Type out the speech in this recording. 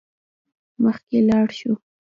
مخکې لاړ شو.